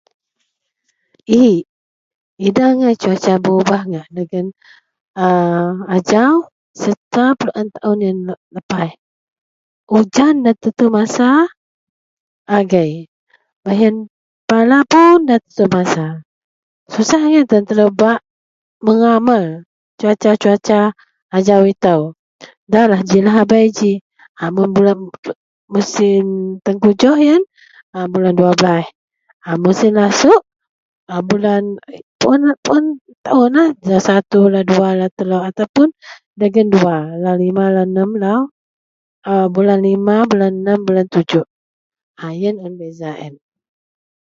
yik idak angai cuaca berubah ngak dagen a ajau serta pulen taaun yang lepaih, ujan da tentu masa agei, baih ien pala pun da tentu masa, susah angai tan telou bak meramal cuaca-cuaca ajau itou, dalah ji lahabei ji a mun bulan musim tengkujuh ien a bulan duabelaih, musim lasuk bulan puen puen taaunlah lau satu, lau dua lau telou ataupun dagen dua lau lima lau enam lau a bulan lima bulan enam, bulan tujuh a ien un beza a yen